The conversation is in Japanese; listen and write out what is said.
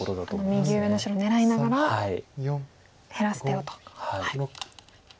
あの右上の白狙いながら減らす手をと。